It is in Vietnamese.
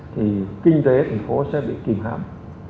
thì kinh tế thành phố sẽ bị kìm hám